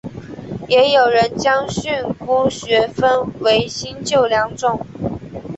也有人将训诂学分为新旧两种。